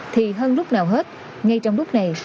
thì hơn lúc nào hết ngay trong lúc này